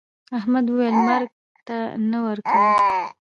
احمد وويل: مرگ ته نه ورکوم.